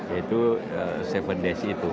yaitu tujuh days itu